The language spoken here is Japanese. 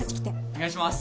お願いします。